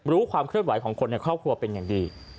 รู้ความเคลื่อนไหวของคนในครอบครัวเป็นอย่างดี